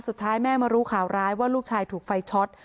สุดท้ายแม่มารู้ข่าวร้ายว่าลูกชายถูกไฟช็อต